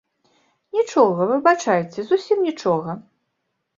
Нічога, выбачайце, зусім нічога.